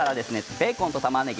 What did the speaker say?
ベーコンとたまねぎ。